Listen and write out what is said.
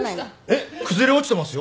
えっ崩れ落ちてますよ？